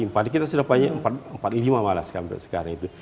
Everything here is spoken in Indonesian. paling kita sudah punya empat puluh lima malah sampai sekarang itu